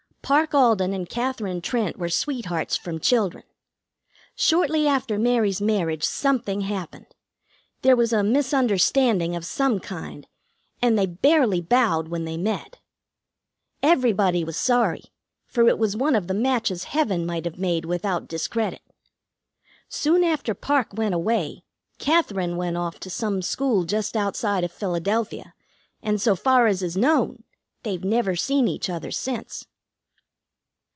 Parke Alden and Katherine Trent were sweethearts from children. Shortly after Mary's marriage something happened. There was a misunderstanding of some kind, and they barely bowed when they met. Everybody was sorry, for it was one of the matches Heaven might have made without discredit. Soon after Parke went away, Katherine went off to some school just outside of Philadelphia, and, so far as is known, they've never seen each other since."